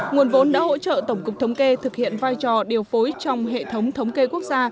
nguồn vốn đã hỗ trợ tổng cục thống kê thực hiện vai trò điều phối trong hệ thống thống kê quốc gia